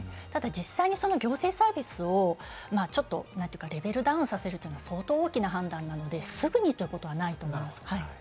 実際に行政サービスをレベルダウンさせるのは相当大きな判断なので、すぐにということはないと思います。